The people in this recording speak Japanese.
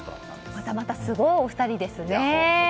またまた、すごいお二人ですね。